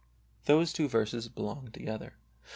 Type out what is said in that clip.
Those two verses belong together.